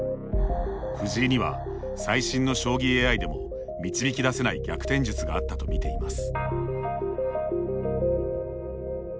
藤井には、最新の将棋ＡＩでも導き出せない逆転術があったと見ています。